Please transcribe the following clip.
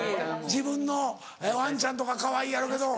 自分のワンちゃんとかかわいいやろうけど。